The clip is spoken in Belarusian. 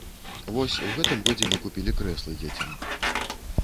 Вось, у гэтым годзе мы купілі крэслы дзецям.